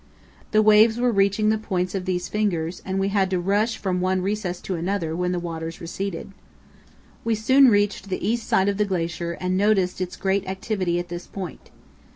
The waves were reaching the points of these fingers, and we had to rush from one recess to another when the waters receded. We soon reached the east side of the glacier and noticed its great activity at this point.